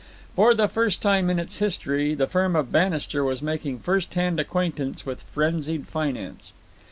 For the first time in its history the firm of Bannister was making first hand acquaintance with frenzied finance.